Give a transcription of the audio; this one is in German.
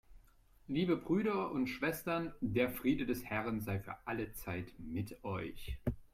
Liebe Brüder und Schwestern, der Friede des Herrn sei für alle Zeit mit euch.